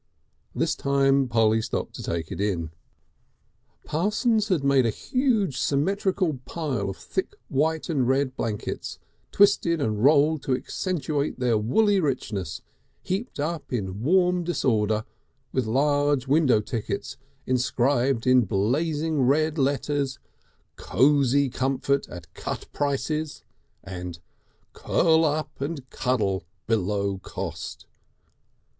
This time Polly stopped to take it in. Parsons had made a huge symmetrical pile of thick white and red blankets twisted and rolled to accentuate their woolly richness, heaped up in a warm disorder, with large window tickets inscribed in blazing red letters: "Cosy Comfort at Cut Prices," and "Curl up and Cuddle below Cost."